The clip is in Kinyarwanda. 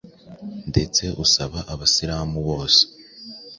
ndetse usaba abasilamu bose